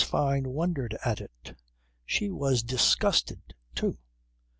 Fyne wondered at it; she was disgusted too.